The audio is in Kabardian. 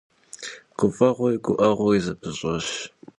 ГуфӀэгъуэри гуӀэгъуэри зэпыщӀащ.